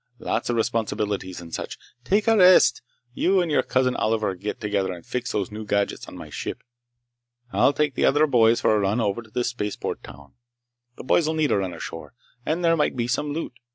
Lots of responsibilities and such. Take a rest. You and your Cousin Oliver get together and fix those new gadgets on my ship. I'll take the other boys for a run over to this spaceport town. The boys need a run ashore, and there might be some loot.